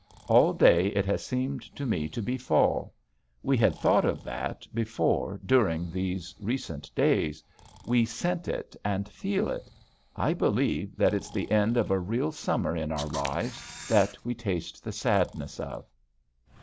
All day it has seemed to me to be fall. We had thought of that before during these recent days. We scent it and feel it. I believe that it's the end of a real summer in our lives that we taste the sadness of.